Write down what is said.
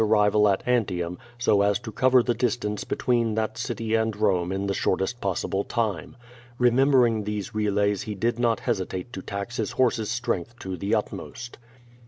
arrival at Antium, so as to cover the distance between that city and Rome in the shortest possible time. Rememberinir these relaj's he did not hesitate to tax his horse's strength to the utmost.